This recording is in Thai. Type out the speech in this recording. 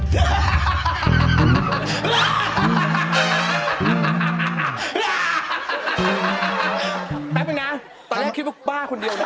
แป๊บนึงนะตอนแรกคิดว่าบ้าคนเดียวนะ